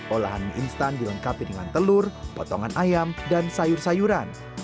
olahan mie instan dilengkapi dengan telur potongan ayam dan sayur sayuran